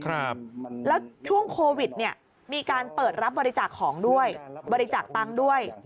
และช่วงโควิดมีการเปิดรับบริจาคของด้วยบริจาคตังค์ด้วย